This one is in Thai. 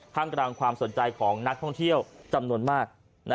มกลางความสนใจของนักท่องเที่ยวจำนวนมาก